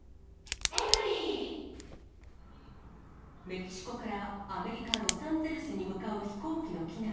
メキシコからアメリカ・ロサンゼルスに向かう飛行機の機内。